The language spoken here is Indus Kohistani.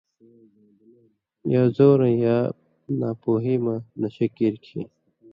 یا زورؤں یا ناپُوہی مہ نشہ کیر کھیں